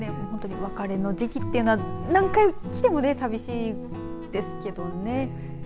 本当にお別れの時期というのは、何回来ても寂しいですけどね。